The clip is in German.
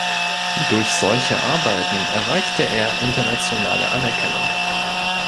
Durch solche Arbeiten erreichte er internationale Anerkennung.